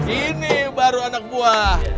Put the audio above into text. ini baru anak buah